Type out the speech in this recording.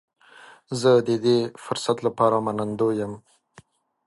زه د دې فرصت لپاره منندوی یم.